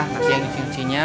nanti yang cuci ucinya